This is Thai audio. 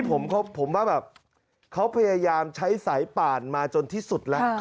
ผมว่าแบบเขาพยายามใช้สายป่านมาจนที่สุดแล้ว